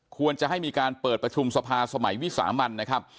ควรจะให้มีการเปิดประชุมสภาสมัยวิสามันนะครับ